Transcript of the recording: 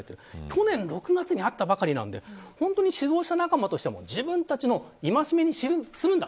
去年６月にあったばかりなんで指導者仲間としても自分たちの戒めにするんだ。